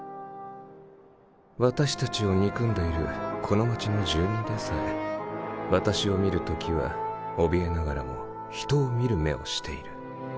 私たちを憎んでいるこの街の住民でさえ私を見る時はおびえながらも人を見る目をしている。